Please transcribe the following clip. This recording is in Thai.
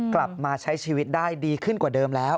กลับมาใช้ชีวิตได้ดีขึ้นกว่าเดิมแล้ว